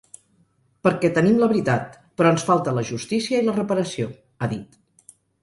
Perquè tenim la veritat, però ens falta la justícia i la reparació, ha dit.